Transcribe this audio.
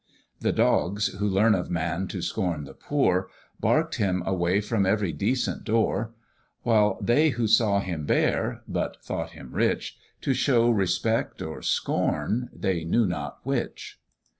The dogs, who learn of man to scorn the poor, Bark'd him away from every decent door; While they who saw him bare, but thought him rich, To show respect or scorn, they knew not which.